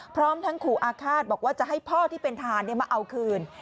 พร้อมทั้งขู่อาฆาตบอกว่าจะให้พ่อที่เป็นทหารมาเอาคืน